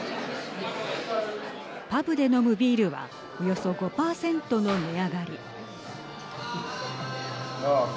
パブで飲むビールはおよそ５％の値上がり。